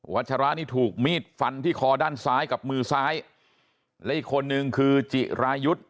ัชรานี่ถูกมีดฟันที่คอด้านซ้ายกับมือซ้ายและอีกคนนึงคือจิรายุทธ์